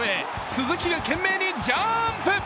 鈴木が懸命にジャンプ。